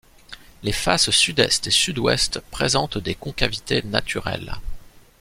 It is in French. Les faces sud-est et sud-ouest présentent des concavités naturelles.